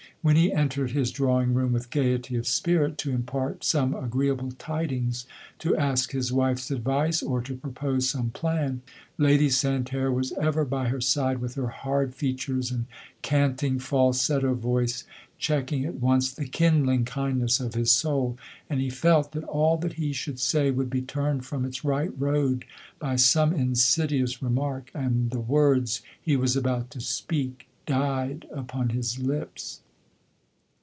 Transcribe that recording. When he entered his drawing room with gaiety of spirit to im part some agreeable tidings, to ask his wife's advice, or to propose some plan, Lady Santerre was ever by her side, with her hard features and canting falsetto voice, checking at once the kindling kindness of his soul, and he felt that all LODORE. 119 that lie should say would be turned from its right road, by some insidious remark, and the words he was about to speak died upon his lips.